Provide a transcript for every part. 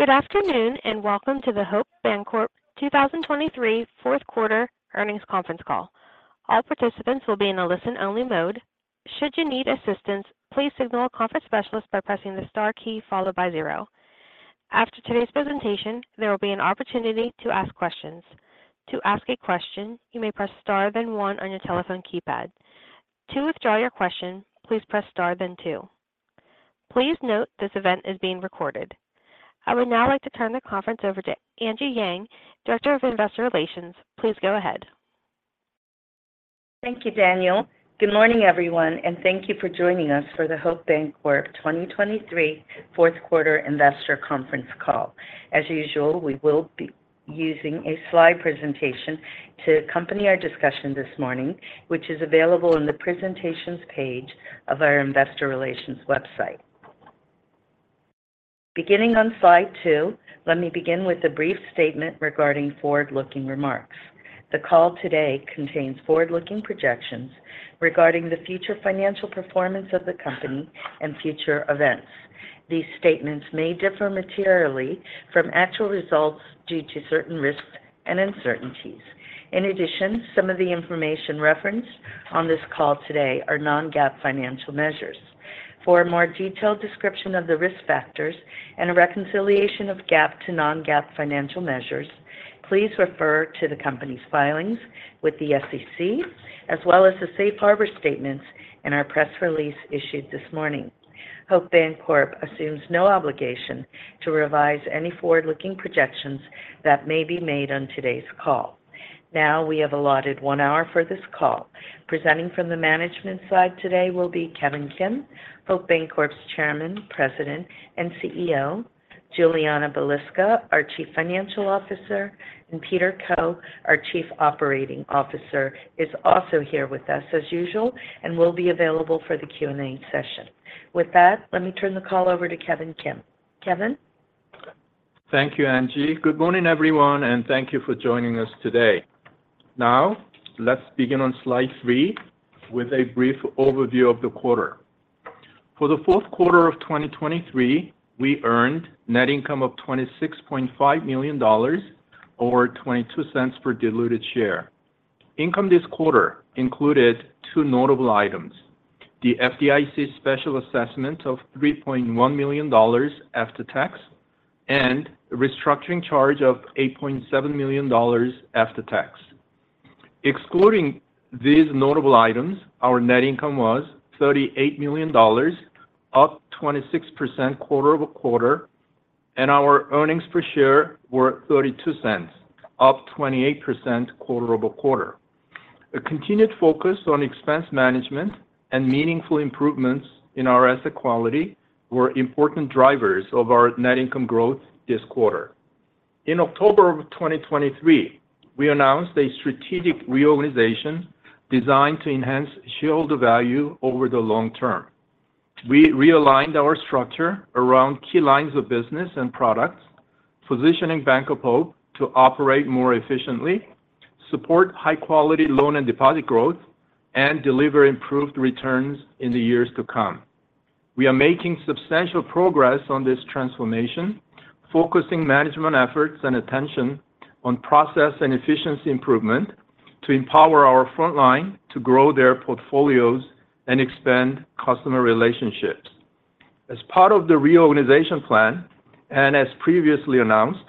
twoGood afternoon, and welcome to the Hope Bancorp 2023 fourth quarter earnings conference call. All participants will be in a listen-only mode. Should you need assistance, please signal a conference specialist by pressing the star key followed by zero. After today's presentation, there will be an opportunity to ask questions. To ask a question, you may press star then one on your telephone keypad. To withdraw your question, please press star, then two. Please note, this event is being recorded. I would now like to turn the conference over to Angie Yang, Director of Investor Relations. Please go ahead. Thank you, Daniel. Good morning, everyone, and thank you for joining us for the Hope Bancorp 2023 fourth quarter investor conference call. As usual, we will be using a slide presentation to accompany our discussion this morning, which is available on the Presentations page of our Investor Relations website. Beginning on slide two, let me begin with a brief statement regarding forward-looking remarks. The call today contains forward-looking projections regarding the future financial performance of the company and future events. These statements may differ materially from actual results due to certain risks and uncertainties. In addition, some of the information referenced on this call today are non-GAAP financial measures. For a more detailed description of the risk factors and a reconciliation of GAAP to non-GAAP financial measures, please refer to the company's filings with the SEC, as well as the safe harbor statements in our press release issued this morning. Hope Bancorp assumes no obligation to revise any forward-looking projections that may be made on today's call. Now, we have allotted one hour for this call. Presenting from the management side today will be Kevin Kim, Hope Bancorp's Chairman, President, and CEO, Julianna Balicka, our Chief Financial Officer, and Peter Koh, our Chief Operating Officer, is also here with us as usual and will be available for the Q&A session. With that, let me turn the call over to Kevin Kim. Kevin? Thank you, Angie. Good morning, everyone, and thank you for joining us today. Now, let's begin on slide three with a brief overview of the quarter. For the fourth quarter of 2023, we earned net income of $26.5 million or $0.22 per diluted share. Income this quarter included two notable items: the FDIC Special Assessment of $3.1 million after tax, and a restructuring charge of $8.7 million after tax. Excluding these notable items, our net income was $38 million, up 26% quarter-over-quarter, and our earnings per share were $0.32, up 28% quarter-over-quarter. A continued focus on expense management and meaningful improvements in our asset quality were important drivers of our net income growth this quarter. In October of 2023, we announced a strategic reorganization designed to enhance shareholder value over the long term. We realigned our structure around key lines of business and products, positioning Hope Bancorp to operate more efficiently, support high-quality loan and deposit growth, and deliver improved returns in the years to come. We are making substantial progress on this transformation, focusing management efforts and attention on process and efficiency improvement to empower our frontline to grow their portfolios and expand customer relationships. As part of the reorganization plan, and as previously announced,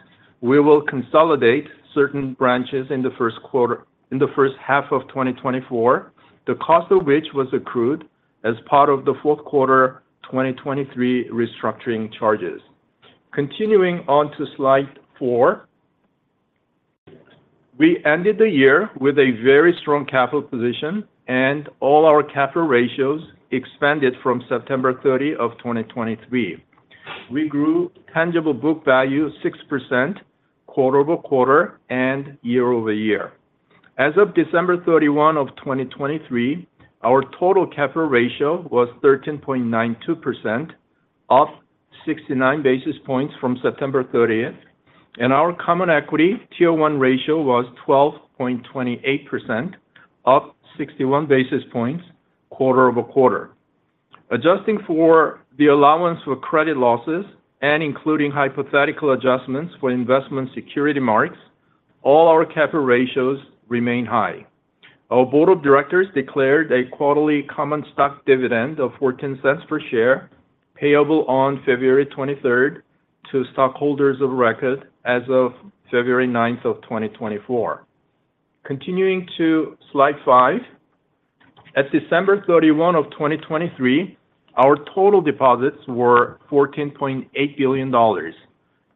we will consolidate certain branches in the first quarter, in the first half of 2024, the cost of which was accrued as part of the fourth quarter 2023 restructuring charges. Continuing on to slide four. We ended the year with a very strong capital position, and all our capital ratios expanded from September 30, 2023. We grew tangible book value 6% quarter-over-quarter and year-over-year. As of December 31, 2023, our total capital ratio was 13.92%, up 69 basis points from September 30th, and our common equity tier one ratio was 12.28%, up 61 basis points quarter-over-quarter. Adjusting for the allowance for credit losses and including hypothetical adjustments for investment security marks, all our capital ratios remain high. Our board of directors declared a quarterly common stock dividend of $0.14 per share, payable on February 23rd to stockholders of record as of February 9th, 2024. Continuing to slide five. At December 31, 2023, our total deposits were $14.8 billion.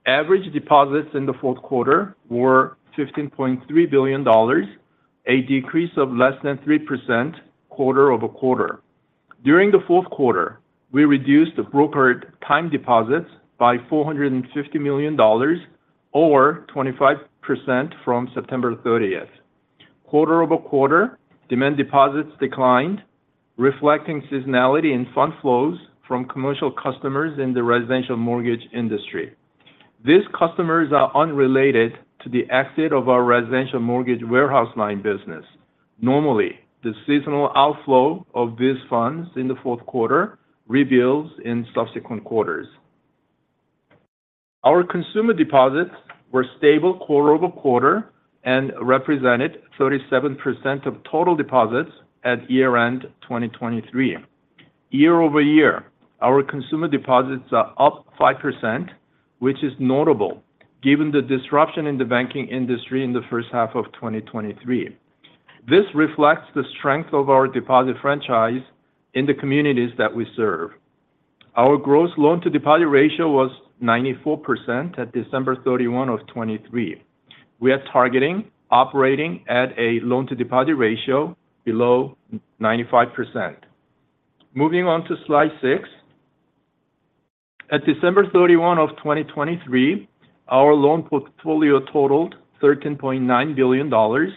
Average deposits in the fourth quarter were $15.3 billion, a decrease of less than 3% quarter-over-quarter. During the fourth quarter, we reduced the brokered time deposits by $450 million or 25% from September 30th. Quarter-over-quarter, demand deposits declined, reflecting seasonality in fund flows from commercial customers in the residential mortgage industry. These customers are unrelated to the exit of our residential mortgage warehouse line business. Normally, the seasonal outflow of these funds in the fourth quarter rebuilds in subsequent quarters. Our consumer deposits were stable quarter-over-quarter and represented 37% of total deposits at year-end 2023. Year-over-year, our consumer deposits are up 5%, which is notable given the disruption in the banking industry in the first half of 2023. This reflects the strength of our deposit franchise in the communities that we serve. Our gross loan-to-deposit ratio was 94% at December 31, 2023. We are targeting operating at a loan-to-deposit ratio below 95%. Moving on to slide six. At December 31, 2023, our loan portfolio totaled $13.9 billion,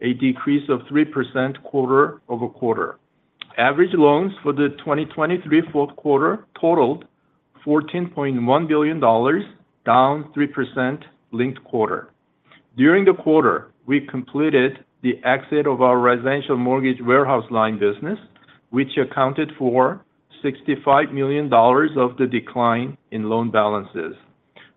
a decrease of 3% quarter-over-quarter. Average loans for the 2023 fourth quarter totaled $14.1 billion, down 3% linked quarter. During the quarter, we completed the exit of our residential mortgage warehouse line business, which accounted for $65 million of the decline in loan balances.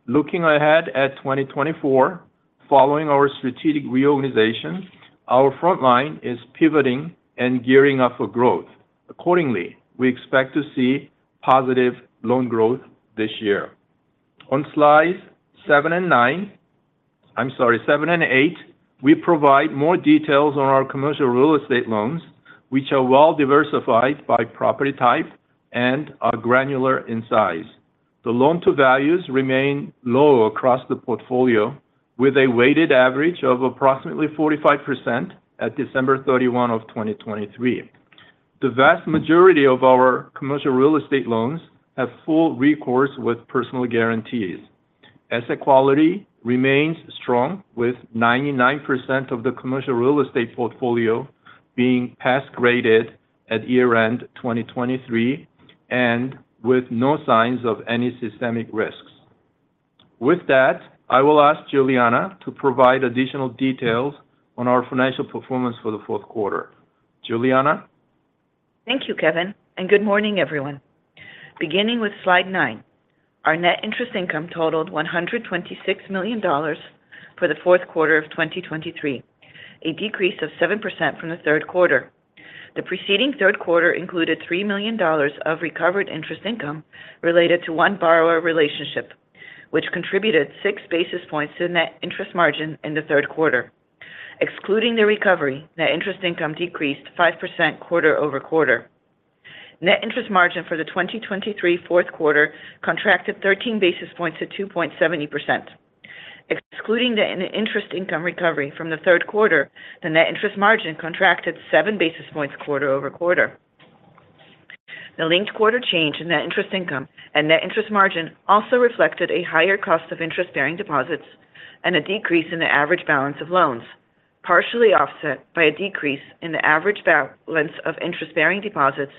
Looking ahead at 2024, following our strategic reorganization, our front line is pivoting and gearing up for growth. Accordingly, we expect to see positive loan growth this year. On slides seven and nice—I'm sorry, seven and eight, we provide more details on our commercial real estate loans, which are well diversified by property type and are granular in size. The loan to values remain low across the portfolio, with a weighted average of approximately 45% at December 31 of 2023. The vast majority of our commercial real estate loans have full recourse with personal guarantees. Asset quality remains strong, with 99% of the commercial real estate portfolio being pass graded at year-end 2023 and with no signs of any systemic risks. With that, I will ask Julianna to provide additional details on our financial performance for the fourth quarter. Julianna? Thank you, Kevin, and good morning, everyone. Beginning with slide nine, our net interest income totaled $126 million for the fourth quarter of 2023, a decrease of 7% from the third quarter. The preceding third quarter included $3 million of recovered interest income related to one borrower relationship, which contributed six basis points to net interest margin in the third quarter. Excluding the recovery, net interest income decreased 5% quarter-over-quarter. Net interest margin for the 2023 fourth quarter contracted 13 basis points to 2.70%. Excluding the interest income recovery from the third quarter, the net interest margin contracted seven basis points quarter-over-quarter. The linked quarter change in net interest income and net interest margin also reflected a higher cost of interest-bearing deposits and a decrease in the average balance of loans, partially offset by a decrease in the average balance of interest-bearing deposits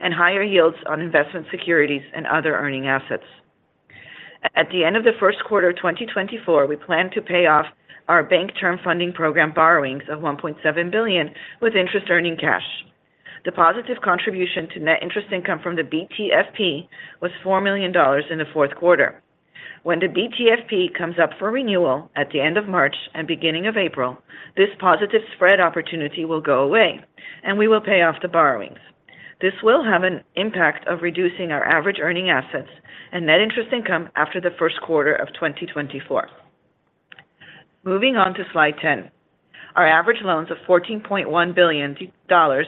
and higher yields on investment securities and other earning assets. At the end of the first quarter of 2024, we plan to pay off our Bank Term Funding Program borrowings of $1.7 billion with interest-earning cash. The positive contribution to net interest income from the BTFP was $4 million in the fourth quarter. When the BTFP comes up for renewal at the end of March and beginning of April, this positive spread opportunity will go away, and we will pay off the borrowings. This will have an impact of reducing our average earning assets and net interest income after the first quarter of 2024. Moving on to slide 10. Our average loans of $14.1 billion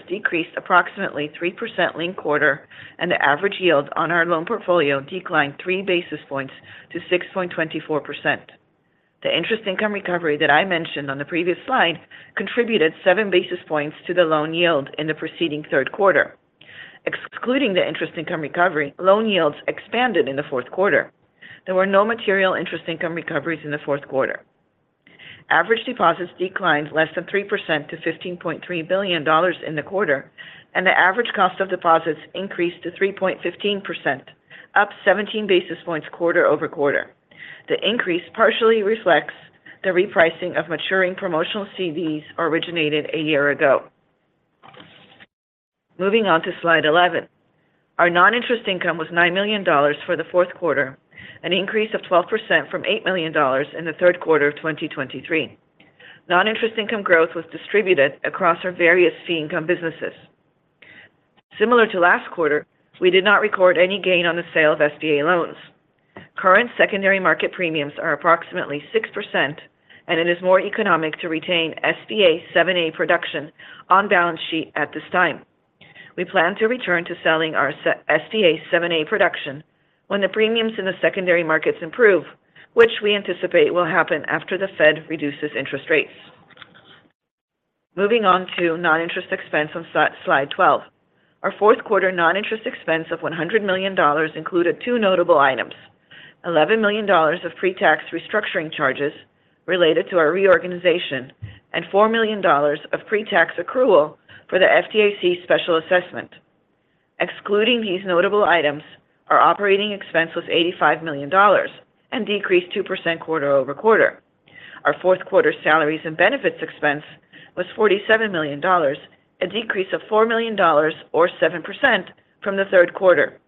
decreased approximately 3% linked-quarter, and the average yield on our loan portfolio declined three basis points to 6.24%. The interest income recovery that I mentioned on the previous slide contributed seven basis points to the loan yield in the preceding third quarter. Excluding the interest income recovery, loan yields expanded in the fourth quarter. There were no material interest income recoveries in the fourth quarter. Average deposits declined less than 3% to $15.3 billion in the quarter, and the average cost of deposits increased to 3.15%, up seventeen basis points quarter-over-quarter. The increase partially reflects the repricing of maturing promotional CDs originated a year ago. Moving on to slide 11. Our non-interest income was $9 million for the fourth quarter, an increase of 12% from $8 million in the third quarter of 2023. Non-interest income growth was distributed across our various fee income businesses. Similar to last quarter, we did not record any gain on the sale of SBA loans. Current secondary market premiums are approximately 6%, and it is more economic to retain SBA 7(a) production on balance sheet at this time. We plan to return to selling our SBA 7(a) production when the premiums in the secondary markets improve, which we anticipate will happen after the Fed reduces interest rates. Moving on to non-interest expense on slide 12. Our fourth quarter non-interest expense of $100 million included two notable items. $11 million of pre-tax restructuring charges related to our reorganization and $4 million of pre-tax accrual for the FDIC special assessment. Excluding these notable items, our operating expense was $85 million and decreased 2% quarter-over-quarter. Our fourth quarter salaries and benefits expense was $47 million, a decrease of $4 million or 7% from the third quarter.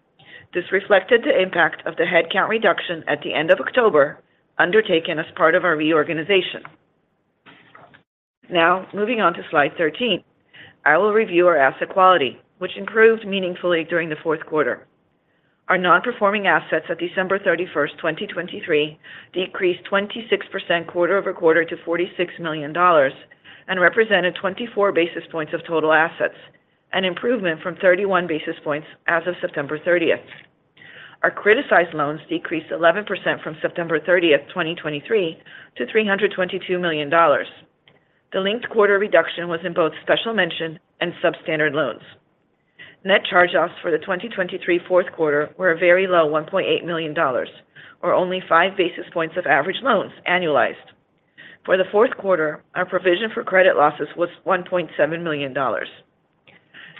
This reflected the impact of the headcount reduction at the end of October, undertaken as part of our reorganization. Now, moving on to slide 13, I will review our asset quality, which improved meaningfully during the fourth quarter. Our non-performing assets at December 31st, 2023, decreased 26% quarter-over-quarter to $46 million and represented 24 basis points of total assets, an improvement from 31 basis points as of September 30th, 2023. Our criticized loans decreased 11% from September 30th, 2023, to $322 million. The linked-quarter reduction was in both special mention and substandard loans. Net charge-offs for the 2023 fourth quarter were a very low $1.8 million or only five basis points of average loans annualized. For the fourth quarter, our provision for credit losses was $1.7 million.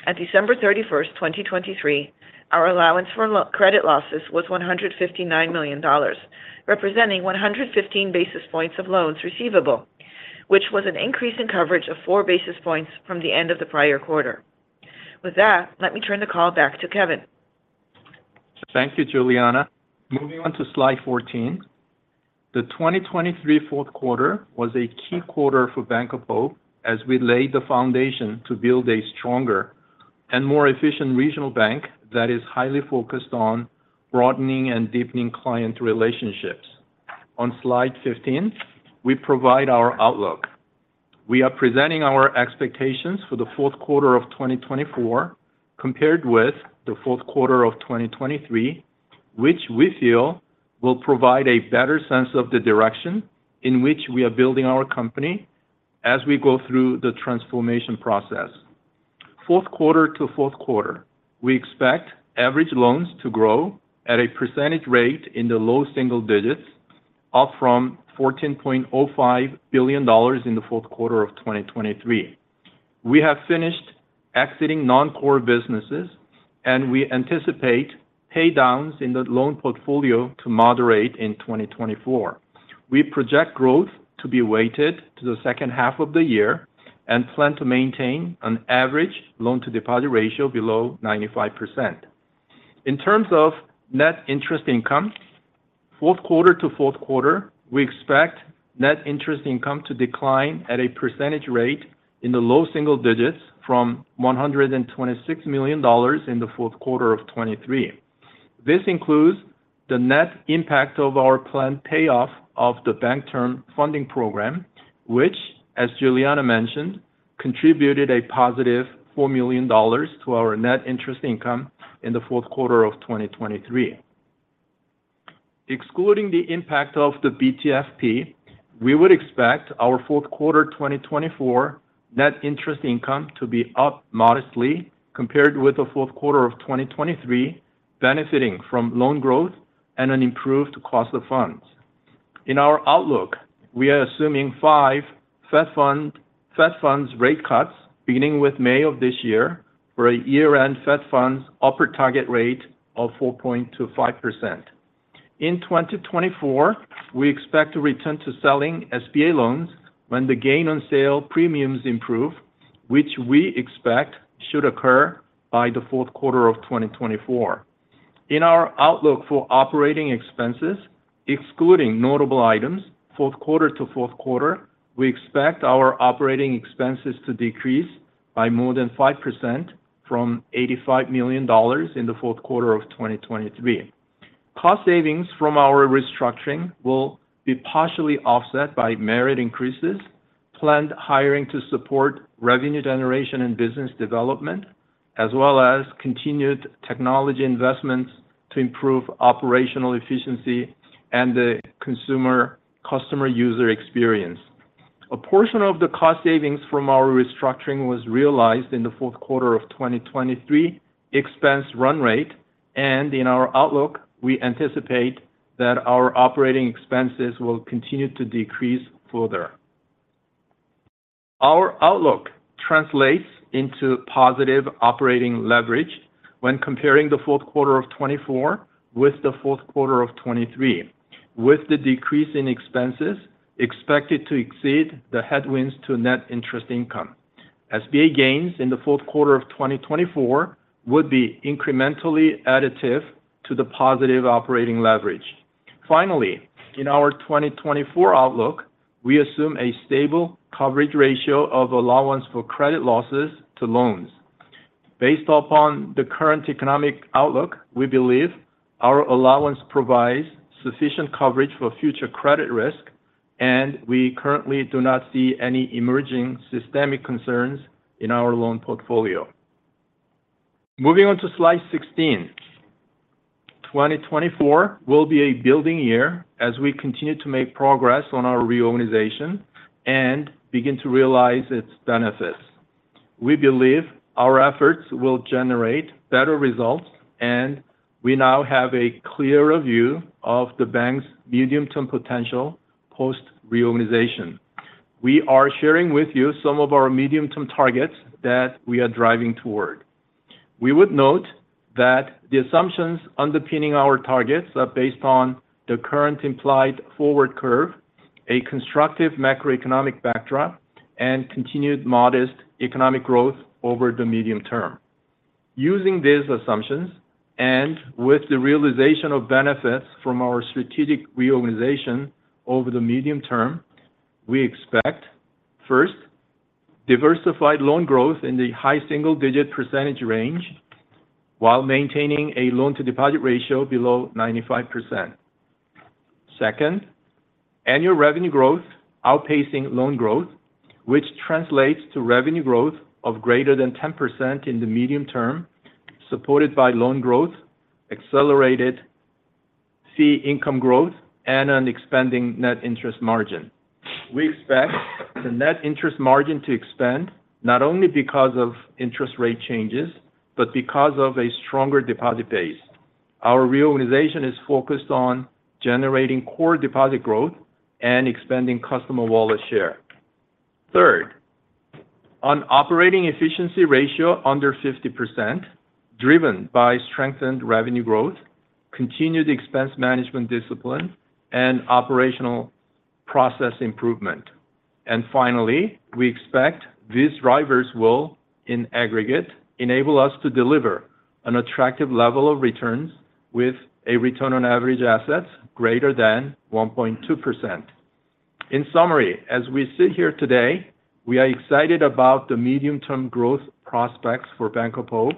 At December 31st, 2023, our allowance for credit losses was $159 million, representing 115 basis points of loans receivable, which was an increase in coverage of four basis points from the end of the prior quarter. With that, let me turn the call back to Kevin. Thank you, Julianna. Moving on to slide 14. The 2023 fourth quarter was a key quarter for Bank of Hope as we laid the foundation to build a stronger and more efficient regional bank that is highly focused on broadening and deepening client relationships. On slide 15, we provide our outlook. We are presenting our expectations for the fourth quarter of 2024, compared with the fourth quarter of 2023, which we feel will provide a better sense of the direction in which we are building our company as we go through the transformation process. Fourth quarter to fourth quarter, we expect average loans to grow at a percentage rate in the low single digits, up from $14.05 billion in the fourth quarter of 2023. We have finished exiting non-core businesses, and we anticipate paydowns in the loan portfolio to moderate in 2024. We project growth to be weighted to the second half of the year and plan to maintain an average loan-to-deposit ratio below 95%. In terms of net interest income, fourth quarter to fourth quarter, we expect net interest income to decline at a percentage rate in the low single digits from $126 million in the fourth quarter of 2023. This includes the net impact of our planned payoff of the Bank Term Funding Program, which, as Julianna mentioned, contributed a positive $4 million to our net interest income in the fourth quarter of 2023. Excluding the impact of the BTFP, we would expect our fourth quarter 2024 net interest income to be up modestly compared with the fourth quarter of 2023, benefiting from loan growth and an improved cost of funds. In our outlook, we are assuming five Fed Funds rate cuts, beginning with May of this year, for a year-end Fed Funds upper target rate of 4.25%. In 2024, we expect to return to selling SBA loans when the gain on sale premiums improve, which we expect should occur by the fourth quarter of 2024. In our outlook for operating expenses, excluding notable items, fourth quarter to fourth quarter, we expect our operating expenses to decrease by more than 5% from $85 million in the fourth quarter of 2023. Cost savings from our restructuring will be partially offset by merit increases, planned hiring to support revenue generation and business development, as well as continued technology investments to improve operational efficiency and the consumer customer user experience. A portion of the cost savings from our restructuring was realized in the fourth quarter of 2023 expense run rate, and in our outlook, we anticipate that our operating expenses will continue to decrease further. Our outlook translates into positive operating leverage when comparing the fourth quarter of 2024 with the fourth quarter of 2023, with the decrease in expenses expected to exceed the headwinds to net interest income. SBA gains in the fourth quarter of 2024 would be incrementally additive to the positive operating leverage. Finally, in our 2024 outlook, we assume a stable coverage ratio of allowance for credit losses to loans. Based upon the current economic outlook, we believe our allowance provides sufficient coverage for future credit risk, and we currently do not see any emerging systemic concerns in our loan portfolio. Moving on to slide 16. 2024 will be a building year as we continue to make progress on our reorganization and begin to realize its benefits. We believe our efforts will generate better results, and we now have a clearer view of the bank's medium-term potential post-reorganization. We are sharing with you some of our medium-term targets that we are driving toward. We would note that the assumptions underpinning our targets are based on the current implied forward curve, a constructive macroeconomic backdrop, and continued modest economic growth over the medium term. Using these assumptions, and with the realization of benefits from our strategic reorganization over the medium term, we expect, first, diversified loan growth in the high single-digit percentage range while maintaining a loan-to-deposit ratio below 95%. Second, annual revenue growth outpacing loan growth, which translates to revenue growth of greater than 10% in the medium term, supported by loan growth, accelerated fee income growth, and an expanding net interest margin. We expect the net interest margin to expand not only because of interest rate changes, but because of a stronger deposit base. Our reorganization is focused on generating core deposit growth and expanding customer wallet share. Third, on operating efficiency ratio under 50%, driven by strengthened revenue growth, continued expense management discipline, and operational process improvement. Finally, we expect these drivers will, in aggregate, enable us to deliver an attractive level of returns with a return on average assets greater than 1.2%. In summary, as we sit here today, we are excited about the medium-term growth prospects for Bank of Hope,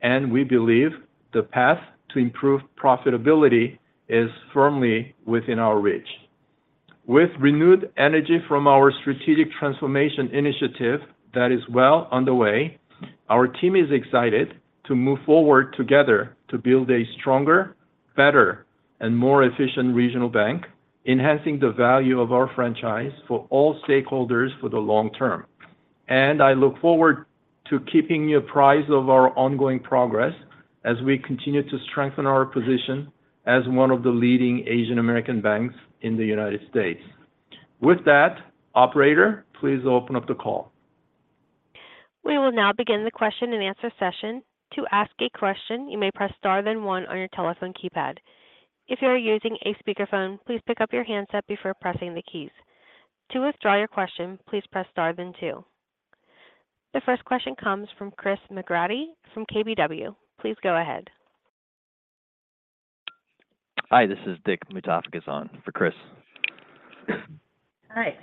and we believe the path to improved profitability is firmly within our reach. With renewed energy from our strategic transformation initiative that is well underway, our team is excited to move forward together to build a stronger, better, and more efficient regional bank, enhancing the value of our franchise for all stakeholders for the long term. I look forward to keeping you apprised of our ongoing progress as we continue to strengthen our position as one of the leading Asian American banks in the United States. With that, operator, please open up the call. We will now begin the question and answer session. To ask a question, you may press star then one on your telephone keypad. If you are using a speakerphone, please pick up your handset before pressing the keys. To withdraw your question, please press star then two. The first question comes from Chris McGratty from KBW. Please go ahead. Hi, this is Dick Mutafikazan for Chris. Hi.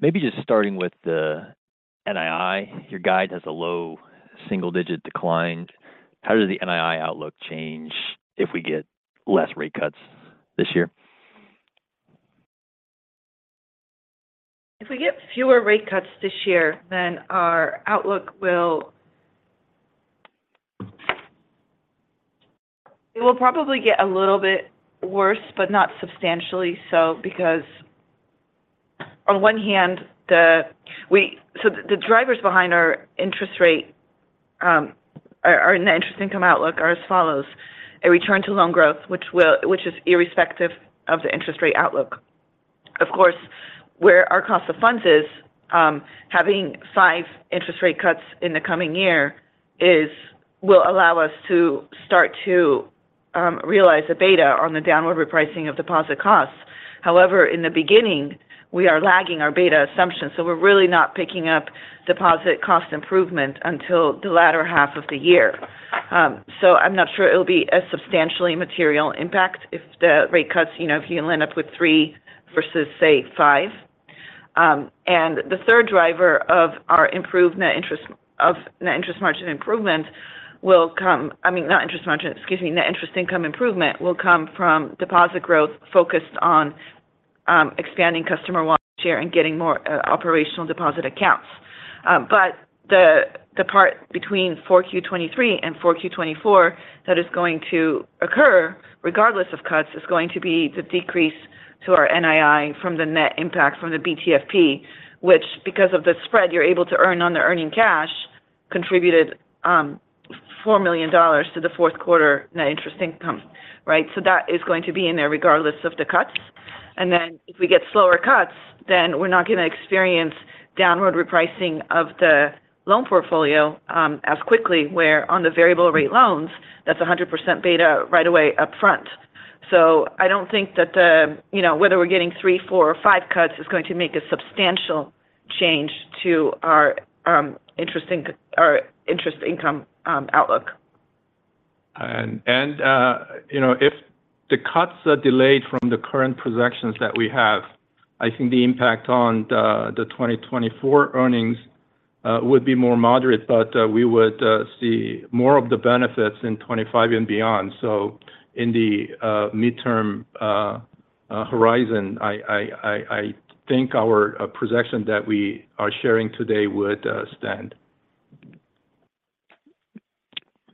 Maybe just starting with the NII. Your guide has a low single-digit decline. How does the NII outlook change if we get less rate cuts this year? If we get fewer rate cuts this year, then our outlook will probably get a little bit worse, but not substantially so, because on one hand, so the drivers behind our interest rate are net interest income outlook are as follows. A return to loan growth, which is irrespective of the interest rate outlook. Of course, where our cost of funds is, having five interest rate cuts in the coming year will allow us to start to realize the beta on the downward repricing of deposit costs. However, in the beginning, we are lagging our beta assumptions, so we're really not picking up deposit cost improvement until the latter half of the year. So I'm not sure it'll be a substantially material impact if the rate cuts, you know, if you end up with three versus, say, five. And the third driver of our improved net interest—of net interest margin improvement will come—I mean, not interest margin, excuse me, net interest income improvement will come from deposit growth focused on expanding customer wallet share and getting more operational deposit accounts. But the part between 4Q 2023 and 4Q 2024 that is going to occur, regardless of cuts, is going to be the decrease to our NII from the net impact from the BTFP, which because of the spread you're able to earn on the earning cash contributed $4 million to the fourth quarter net interest income. Right? So that is going to be in there regardless of the cuts. Then if we get slower cuts, then we're not going to experience downward repricing of the loan portfolio as quickly, where on the variable rate loans, that's 100% beta right away up front. So I don't think that the, you know, whether we're getting three, four, or five cuts is going to make a substantial change to our interest income outlook. You know, if the cuts are delayed from the current projections that we have, I think the impact on the 2024 earnings would be more moderate, but we would see more of the benefits in 2025 and beyond. So in the midterm horizon, I think our projection that we are sharing today would stand.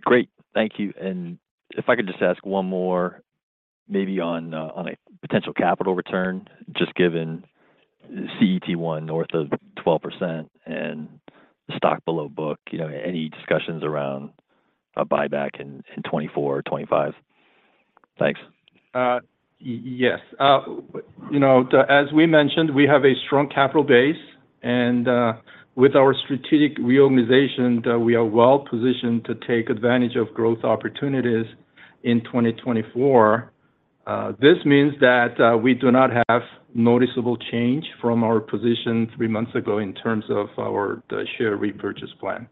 Great. Thank you. And if I could just ask one more, maybe on a potential capital return, just given CET1 north of 12% and stock below book, you know, any discussions around a buyback in 2024 or 2025? Thanks. Yes. But you know, as we mentioned, we have a strong capital base, and with our strategic reorganization, we are well positioned to take advantage of growth opportunities in 2024. This means that we do not have noticeable change from our position three months ago in terms of our, the share repurchase plan.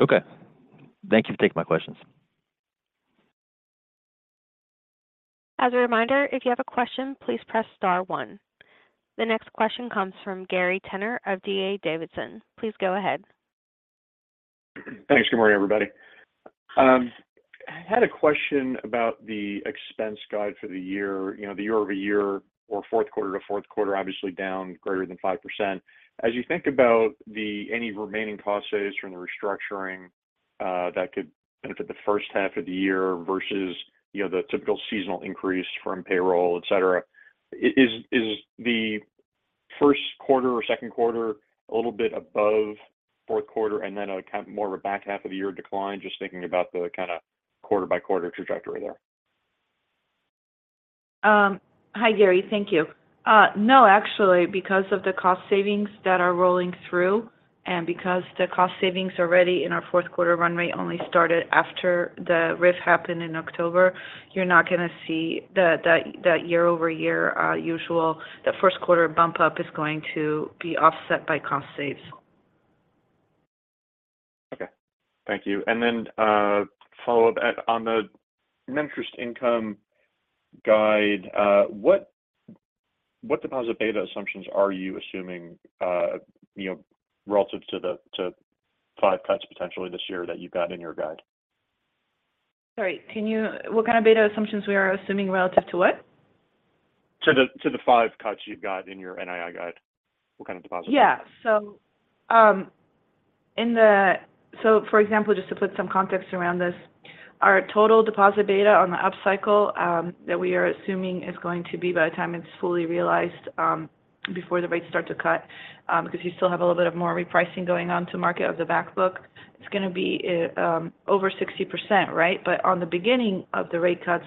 Okay. Thank you for taking my questions. As a reminder, if you have a question, please press star one. The next question comes from Gary Tenner of D.A. Davidson. Please go ahead. Thanks. Good morning, everybody. I had a question about the expense guide for the year. You know, the year-over-year or fourth quarter to fourth quarter, obviously down greater than 5%. As you think about the any remaining cost saves from the restructuring that could benefit the first half of the year versus, you know, the typical seasonal increase from payroll, et cetera, is the first quarter or second quarter a little bit above fourth quarter and then a kind of more of a back half of the year decline? Just thinking about the kind of quarter-by-quarter trajectory there. Hi, Gary. Thank you. No, actually, because of the cost savings that are rolling through and because the cost savings already in our fourth quarter runway only started after the RIF happened in October, you're not going to see that year-over-year usual... That first quarter bump up is going to be offset by cost saves. Okay. Thank you. And then, follow-up on the net interest income guide, what deposit beta assumptions are you assuming, you know, relative to the five cuts potentially this year that you've got in your guide? Sorry, what kind of beta assumptions are we assuming relative to what? To the five cuts you've got in your NII guide, what kind of deposit? Yeah. So, for example, just to put some context around this, our total deposit beta on the upcycle, that we are assuming is going to be by the time it's fully realized, before the rates start to cut, because you still have a little bit of more repricing going on to market of the back book, it's going to be, over 60%, right? But on the beginning of the rate cuts,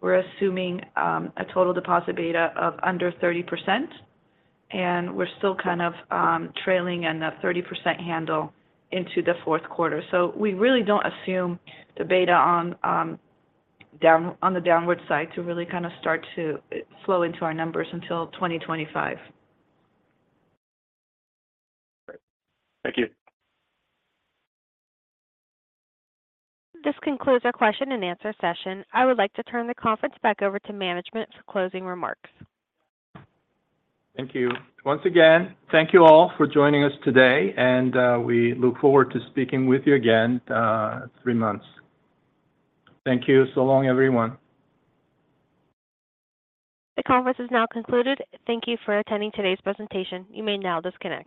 we're assuming, a total deposit beta of under 30%, and we're still kind of, trailing in that 30% handle into the fourth quarter. So we really don't assume the beta on the downward side to really kind of start to flow into our numbers until 2025. Great. Thank you. This concludes our question-and-answer session. I would like to turn the conference back over to management for closing remarks. Thank you. Once again, thank you all for joining us today, and, we look forward to speaking with you again, three months. Thank you. So long, everyone. The conference is now concluded. Thank you for attending today's presentation. You may now disconnect.